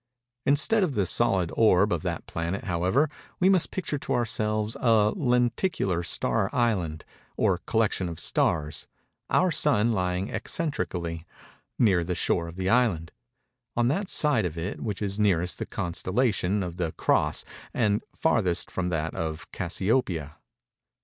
Instead of the solid orb of that planet, however, we must picture to ourselves a lenticular star island, or collection of stars; our Sun lying excentrically—near the shore of the island—on that side of it which is nearest the constellation of the Cross and farthest from that of Cassiopeia.